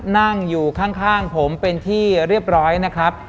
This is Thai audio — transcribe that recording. นั่งอยู่ข้างผมเป็นที่เรียบร้อยนะครับ